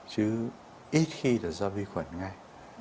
chứ ít khi là do vi khuẩn ngay